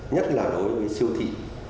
nhất là đối với siêu thị